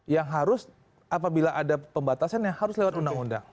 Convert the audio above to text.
yang harus apabila ada pembatasan yang harus lewat undang undang